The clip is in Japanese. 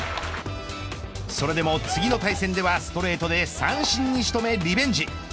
それでも次の対戦ではストレートで三振に仕留め、リベンジ。